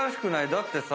だってさ。